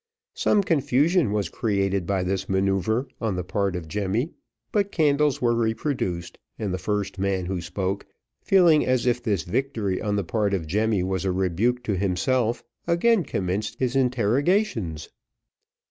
Some confusion was created by this manoeuvre on the part of Jemmy, but candles were reproduced, and the first man who spoke, feeling as if this victory on the part of Jemmy was a rebuke to himself, again commenced his interrogations.